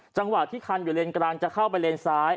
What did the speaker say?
จังหวะที่คันอยู่เลนกลางจะเข้าไปเลนซ้าย